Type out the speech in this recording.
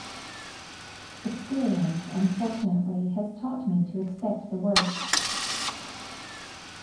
Experience, unfortunately, has taught me to expect the worst.